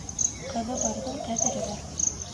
Ҡыҙы барҙың ҡәҙере бар.